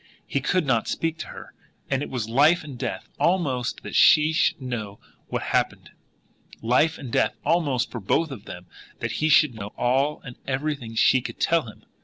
He could not speak to her and it was life and death almost that she should know what had happened; life and death almost for both of them that he should know all and everything she could tell him.